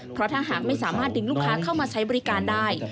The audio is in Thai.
เพราะถ้าหากไม่สามารถดึงลูกค้าเข้ามาใช้บริการได้